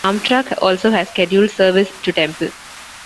Amtrak also has scheduled service to Temple.